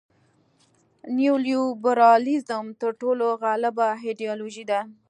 نیولیبرالیزم تر ټولو غالبه ایډیالوژي ده.